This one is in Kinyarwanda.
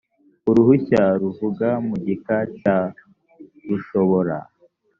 uruhushya ruvuga mu gika cya rushobora